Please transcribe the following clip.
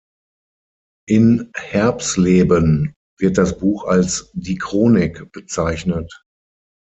In Herbsleben wird das Buch als „die Chronik“ bezeichnet.